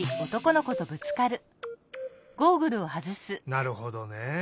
なるほどね。